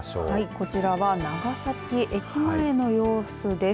こちらは長崎駅前の様子です。